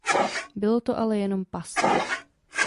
Bylo to ale jenom past.